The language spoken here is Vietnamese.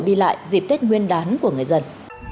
đi lại dịp tết nguyên đán của người dân